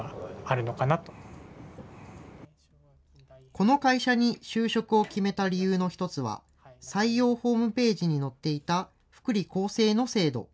この会社に就職を決めた理由の一つは、採用ホームページに載っていた福利厚生の制度。